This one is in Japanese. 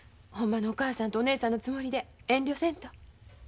ほんまのお母さんとお姉さんのつもりで遠慮せんと。